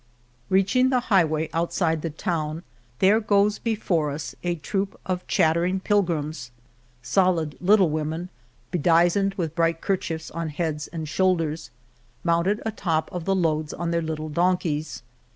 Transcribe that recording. Reaching the highway outside the town, there goes before us a troop of chattering pilgrims, solid little women bedizened with bright kerchiefs on heads and shoulders, mounted a top of the loads on their little donkeys.